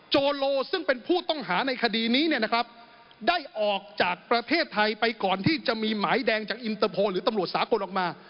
โลซึ่งเป็นผู้ต้องหาในคดีนี้เนี่ยนะครับได้ออกจากประเทศไทยไปก่อนที่จะมีหมายแดงจากอินเตอร์โพลหรือตำรวจสากลออกมา